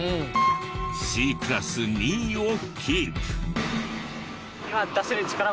Ｃクラス２位をキープ。